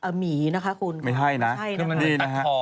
หมีนะคะคุณค่ะไม่ใช่นะครับมีหางมันนะพี่